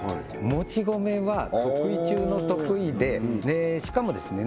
もち米は得意中の得意でしかもですね